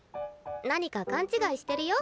何か勘違いしてるよ